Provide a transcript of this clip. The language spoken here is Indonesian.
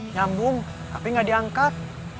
nyambung tapi nggak diangkat